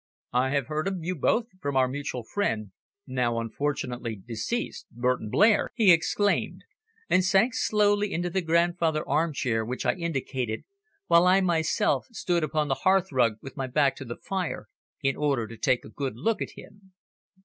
"I have heard of you both from our mutual friend, now unfortunately deceased, Burton Blair," he exclaimed; and sank slowly into the grandfather armchair which I indicated, while I myself stood upon the hearthrug with my back to the fire in order to take a good look at him.